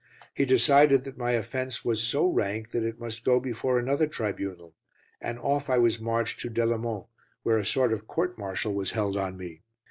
He decided that my offence was so rank that it must go before another tribunal, and off I was marched to Delemont, where a sort of court martial was held on me.